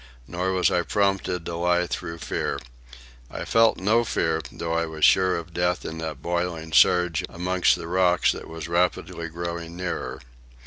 Nor was I prompted to lie through fear. I felt no fear, though I was sure of death in that boiling surge amongst the rocks which was rapidly growing nearer.